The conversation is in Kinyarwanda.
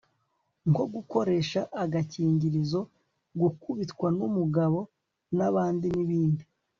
nko gukoresha agakingirizo, gukubitwa n'umugabo nabandi, n'ibindi